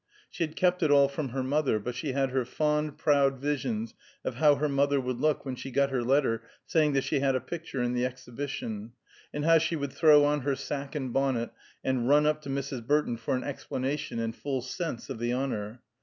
She had kept it all from her mother, but she had her fond, proud visions of how her mother would look when she got her letter saying that she had a picture in the Exhibition, and how she would throw on her sacque and bonnet, and run up to Mrs. Burton for an explanation and full sense of the honor.